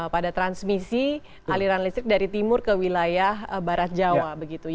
pada transmisi aliran listrik dari timur ke wilayah barat jawa